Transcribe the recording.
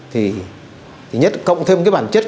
thì nhất cộng thêm cái bản chất